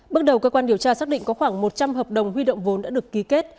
bước đầu cơ quan điều tra xác định có khoảng một trăm linh hợp đồng huy động vốn đã được ký kết